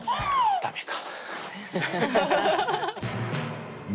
ダメか。